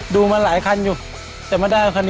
ดูมาหลายคันอยู่แต่ไม่ได้คันนี้